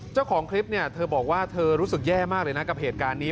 เจ้าของคลิปเนี่ยเธอบอกว่าเธอรู้สึกแย่มากเลยนะกับเหตุการณ์นี้